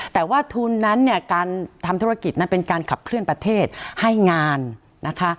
แต่ว่าทุนนั้นเนี่ยการทำธุรกิจนั้นเป็นการขับเคลื่อนประเทศให้งานนะคะ